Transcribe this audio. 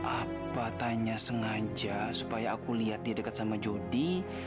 apa tanya sengaja supaya aku liat dia deket sama jodi